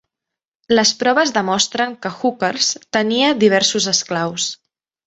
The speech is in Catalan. Les proves demostren que Hookers tenia diversos esclaus.